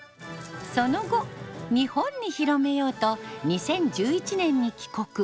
その後日本に広めようと２０１１年に帰国。